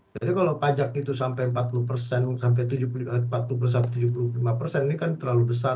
jadi kalau pajak itu sampai empat puluh sampai tujuh puluh lima ini kan terlalu besar